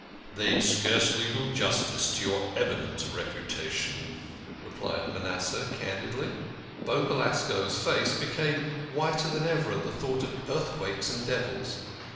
"They scarcely do justice to your eminent reputation," replied Manasseh candidly. Beau Belasco's face became whiter than even at the thought of earthquakes and devils.